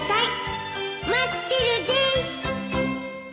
待ってるです！